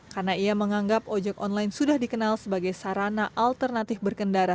karena ia menganggap ojek online sudah dikenal sebagai sarana alternatif berkendara